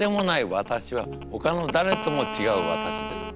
私はほかの誰とも違う私です。